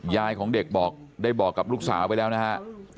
ยายของเด็กบอกได้บอกกับลูกสาวไปแล้วนะฮะ